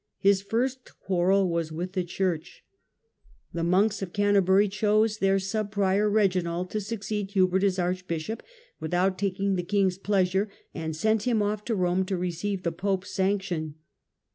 His first quarrel was with the church. The monks of THE INTERDICT. 53 Canterbury chose their sub prior Reginald to succeed Hubert as archbishop, without taking the king's pleasure, and sent him off to Rome to receive the pope's ^^^ election sanction.